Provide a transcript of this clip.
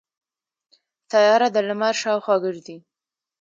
سیاره د لمر شاوخوا ګرځي.